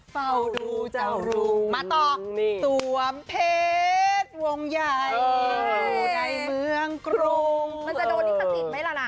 มันจะโดนที่ภาษีไหมละละ